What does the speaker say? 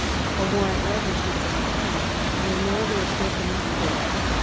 A warrant was issued against Penn; and he narrowly escaped the messengers.